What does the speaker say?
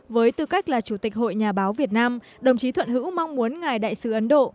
với tư cách là chủ tịch hội nhà báo việt nam đồng chí thuận hữu mong muốn ngài đại sứ ấn độ